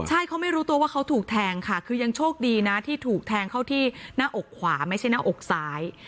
ใช่เขาไม่รู้ตัวว่าเขาถูกแทงค่ะคือยังโชคดีนะที่ถูกแทงเข้าที่หน้าอกขวาไม่ใช่หน้าอกซ้าย